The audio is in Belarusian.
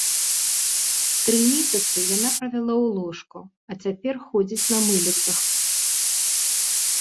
Тры месяцы яна правяла ў ложку, а цяпер ходзіць на мыліцах.